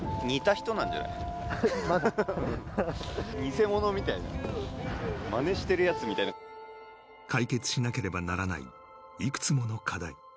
偽者みたいなまねしてるヤツみたいな解決しなければならないいくつもの課題